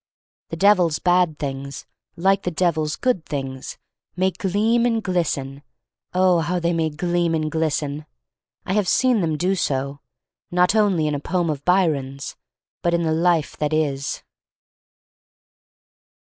The Devil's bad things — like the Devil's good things — may gleam and glisten, oh, how they may gleam and glisten! I have seen them do so, not only in a poem of Byron's, but in the life that is.